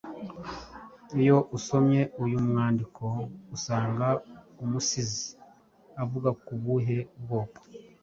Iyo usomye uyu mwandiko usanga umusizi avuga ku buhe bwoko